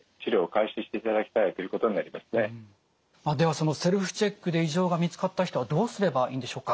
そのセルフチェックで異常が見つかった人はどうすればいいんでしょうか？